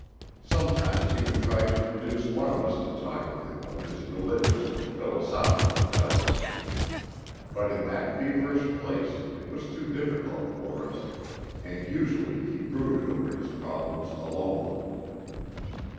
Sometimes he would try to induce one of us to talk with him of his religious and philosophical doubts; but in that feverish place it was too difficult for us, and usually he brooded over his problems alone.